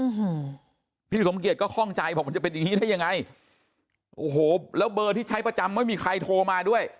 อืมพี่สมเกียจก็คล่องใจบอกมันจะเป็นอย่างงี้ได้ยังไงโอ้โหแล้วเบอร์ที่ใช้ประจำไม่มีใครโทรมาด้วย